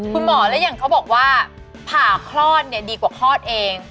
คุณหมอแล้วอย่างเขาบอกว่าพาครอดดีกว่าครอดเอง